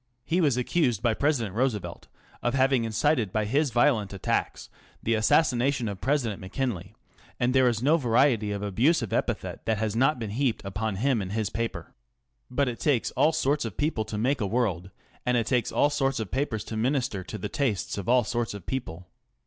He was accused by President Roosevelt of having 336 The Review incited by his violent attacks the assassination of President McKinley, and there is no variety of abusive epithet that has not been heaped upon him and his paper. But it takes all sorts of people to make a world, and it takes all sorts of papers to minister to the tastes of all sorts of people.